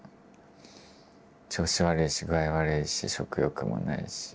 調子悪いし具合悪いし食欲もないし。